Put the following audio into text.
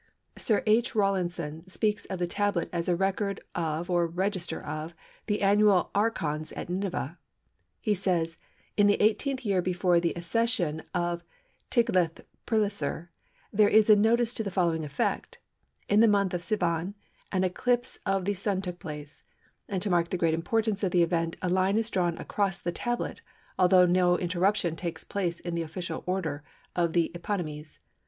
Sir H. Rawlinson speaks of the tablet as a record of or register of the annual archons at Nineveh. He says:—"In the eighteenth year before the accession of Tiglath Pileser there is a notice to the following effect—'In the month Sivan an eclipse of the Sun took place' and to mark the great importance of the event a line is drawn across the tablet although no interruption takes place in the official order of the Eponymes.